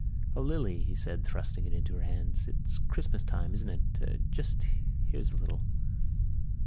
"O Lily," he said, thrusting it into her hands, "it's Christmas time, isn't it? Just ... here's a little...."